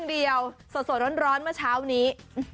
เดียวสดร้อนเมื่อเช้านี้